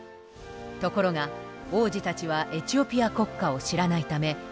ところが王子たちはエチオピア国歌を知らないため無反応。